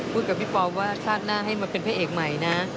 กับพี่ปอว่าชาติหน้าให้มาเป็นพระเอกใหม่นะ